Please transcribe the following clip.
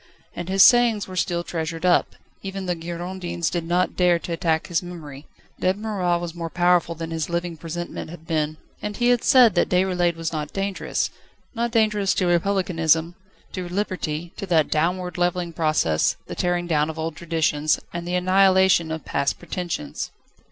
And his sayings were still treasured up: even the Girondins did not dare to attack his memory. Dead Marat was more powerful than his living presentment had been. And he had said that Déroulède was not dangerous. Not dangerous to Republicanism, to liberty, to that downward, levelling process, the tearing down of old traditions, and the annihilation of past pretensions.